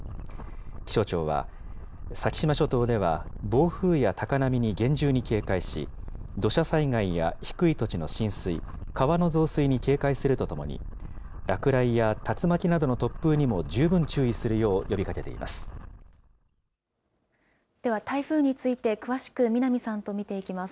気象庁は、先島諸島では暴風や高波に厳重に警戒し、土砂災害や低い土地の浸水、川の増水に警戒するとともに、落雷や竜巻などの突風にも十分注意するよう呼びかけています。